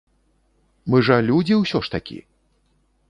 Мы жа людзі ўсё ж такі!